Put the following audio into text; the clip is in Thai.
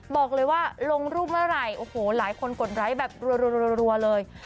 บอกเลยว่าลงรูปเมื่อไหร่โอ้โหหลายคนกดไลค์แบบรัวเลย